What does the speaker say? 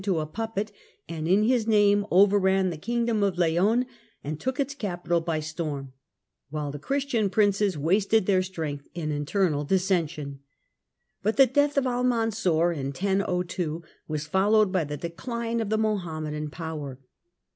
to a puppet, and in his name overran the kingdom of Leon and took its capital by storm ; while the Christian princes wasted their strength in internal dissension. But the death of Almansor in 1002 was followed by the decline of the Mohammedan power.